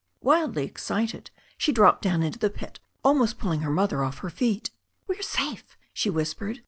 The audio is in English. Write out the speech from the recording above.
Wildly excited she dropped down into the pit, almost pull ing her mother off her feet. "We are safe," she whispered.